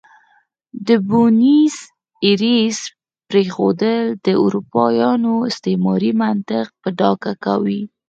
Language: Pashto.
د بونیس ایرس پرېښودل د اروپایانو استعماري منطق په ډاګه کوي.